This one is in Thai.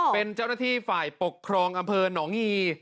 เป็นเจ้าหน้าที่ฝ่ายปกครองอำเภอหนองยี